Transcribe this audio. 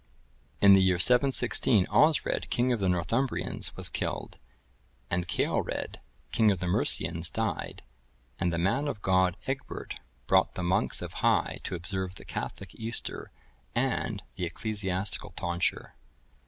(1040) In the year 716, Osred, king of the Northumbrians, was killed; and Ceolred, king of the Mercians, died; and the man of God, Egbert, brought the monks of Hii to observe the Catholic Easter and the ecclesiastical tonsure.